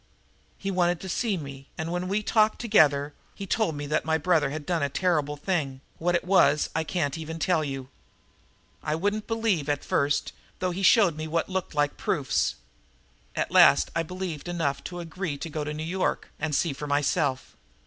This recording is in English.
He wanted to see me, and, when we talked together, he told me that my brother had done a terrible thing what it was I can't tell even you. "I wouldn't believe at first, though he showed me what looked like proofs. At last I believed enough to agree to go to New York and see for myself.